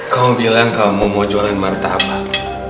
kau bilang kamu mau jualan martabak